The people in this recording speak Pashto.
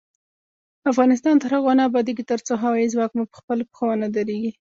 افغانستان تر هغو نه ابادیږي، ترڅو هوايي ځواک مو پخپلو پښو ونه دریږي.